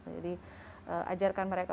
jadi ajarkan mereka